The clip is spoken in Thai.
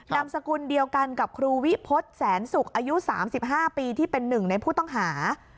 นามสกุลเดียวกันกับครูวิพฤษแสนศุกร์อายุ๓๕ปีที่เป็นหนึ่งในผู้ต้องหา